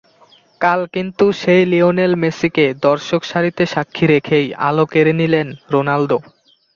কাল কিন্তু সেই লিওনেল মেসিকে দর্শকসারিতে সাক্ষী রেখেই আলো কেড়ে নিলেন রোনালদো।